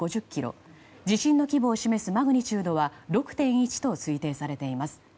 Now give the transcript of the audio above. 地震の規模を示すマグニチュードは６．１と推定されています。